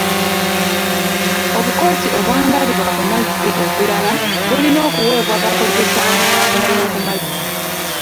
Obukooti obwambalibwa ku mazzi obulala bulina okuweebwa abakozesa entambula y'oku amazzi.